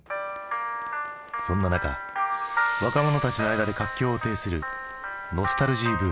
そんな中若者たちの間で活況を呈するノスタルジー・ブーム。